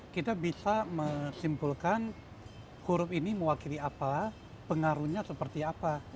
kita bisa menyimpulkan huruf ini mewakili apa pengaruhnya seperti apa